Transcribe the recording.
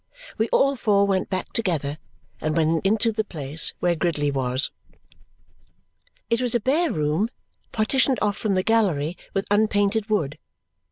We all four went back together and went into the place where Gridley was. It was a bare room, partitioned off from the gallery with unpainted wood.